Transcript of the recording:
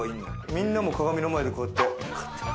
みんなもう鏡の前でこうやって。